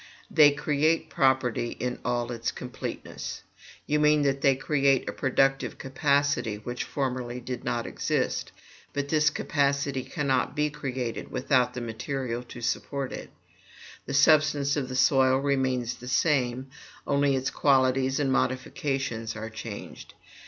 THEY CREATE PROPERTY IN ALL ITS COMPLETENESS. You mean that they create a productive capacity which formerly did not exist; but this capacity cannot be created without material to support it. The substance of the soil remains the same; only its qualities and modifications are changed.